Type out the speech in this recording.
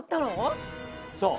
そう。